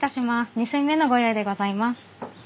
２煎目のご用意でございます。